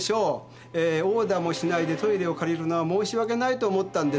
えーオーダーもしないでトイレを借りるのは申し訳ないと思ったんですか？